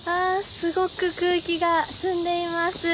すごく空気が澄んでいます。